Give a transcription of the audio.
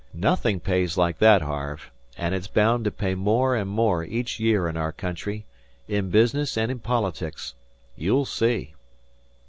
Nothing pays like that, Harve, and it's bound to pay more and more each year in our country in business and in politics. You'll see."